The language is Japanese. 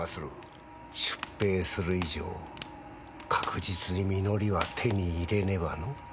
出兵する以上確実に実りは手に入れねばの。